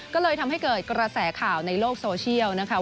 ก็เลยทำให้เกิดกระแสข่าวในโลกโซเชียลนะคะ